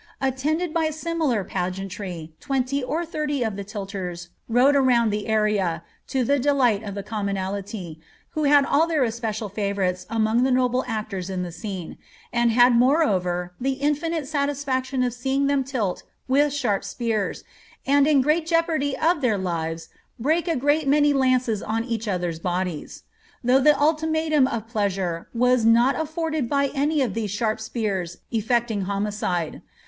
*^ Attend^ by similar pageantry, twenty or thirty of the tillers rode around the area, to the delight of the commonalty, who had all their especial favourites among the noble actors in the scene, and Imd moreover the infinite satisfaction of seeing them tilt with sharp spears, and ^ in great jeopardy of their lives break a great many lances on each others' bodies;^ though the ultimatum of pleasure was not afibrded by any of these sharp spears ejecting homicide.